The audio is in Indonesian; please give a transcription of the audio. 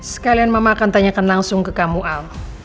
sekalian mama akan tanyakan langsung ke kamu al